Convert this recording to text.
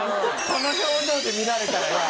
この表情で見られたらな。